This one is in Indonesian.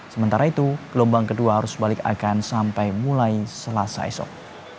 sementara itu gelombang kedua arus balik akan sampai mulai selasa esok